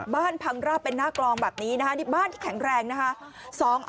บ้านพังราบเป็นหน้ากลองแบบนี้นะคะนี่บ้านที่แข็งแรงนะคะ